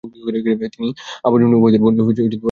তিনি আমর ইবনে উবাইদের বোনকে বিয়ে করেছিলেন।